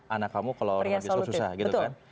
anak kamu kalau lebih susah gitu kan